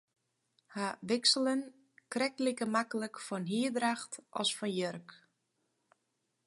Hja wikselen krekt like maklik fan hierdracht as fan jurk.